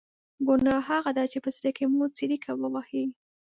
ګناه هغه ده چې په زړه کې مو څړیکه ووهي.